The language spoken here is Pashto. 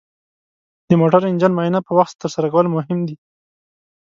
د موټر انجن معاینه په وخت ترسره کول مهم دي.